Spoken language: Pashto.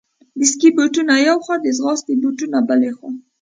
د سکې بوټونه یوې خوا، د ځغاستې بوټونه بلې خوا.